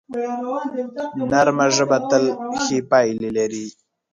نرمه ژبه تل ښې پایلې لري